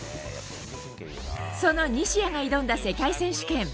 その西矢が挑んだ世界選手権。